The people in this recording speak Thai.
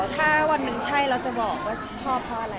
ถ้าวันหนึ่งใช่เราจะบอกว่าชอบเพราะอะไร